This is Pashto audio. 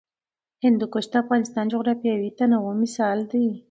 هندوکش د افغانستان د جغرافیوي تنوع مثال دی.